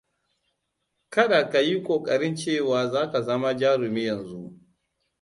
Kada ka yi ƙoƙarin cewa za ka zama jarumi yanzu.